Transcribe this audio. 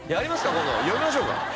今度呼びましょうか？